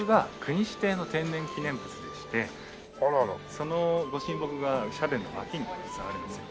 その御神木が社殿の脇に実はあるんですよ。